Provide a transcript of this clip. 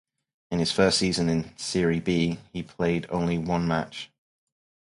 In his first season in Serie B, he played only one match.